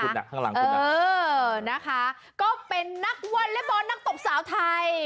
คุณเออนะคะก็เป็นนักวอลเล็บบอลนักตบสาวไทย